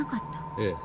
ええ。